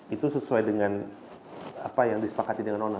itu sesuai dengan apa yang disepakati dengan oner